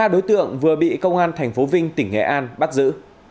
ba đối tượng vừa bị công an tp vinh tỉnh nghệ an bắt giữ